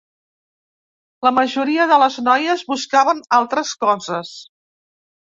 La majoria de les noies buscaven altres coses.